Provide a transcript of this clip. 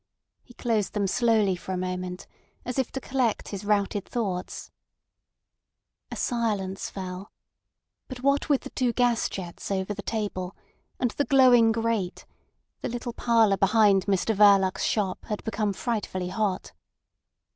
He closed them slowly for a moment, as if to collect his routed thoughts. A silence fell; but what with the two gas jets over the table and the glowing grate the little parlour behind Mr Verloc's shop had become frightfully hot.